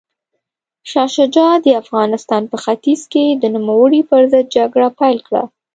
شاه شجاع د افغانستان په ختیځ کې د نوموړي پر ضد جګړه پیل کړه.